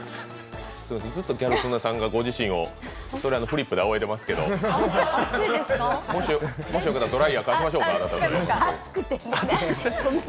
ギャル曽根さんが御自身をフリップであおいでますけどもしよかったら、ドライヤー貸しましょうか？